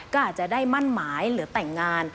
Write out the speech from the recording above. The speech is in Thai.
ก็อาจจะได้มั่นหมายหรือแต่งงาน